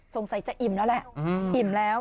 สงสัยจะอิ่มแล้วแหละอิ่มแล้ว